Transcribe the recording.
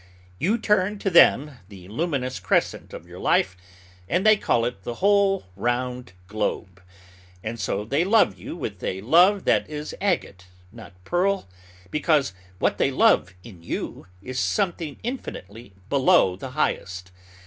You turn to them the luminous crescent of your life, and they call it the whole round globe; and so they love you with a love that is agate, not pearl, because what they love in you is something infinitely below the highest.